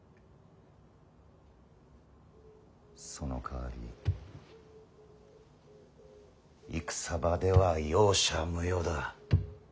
そのかわり戦場では容赦無用だ。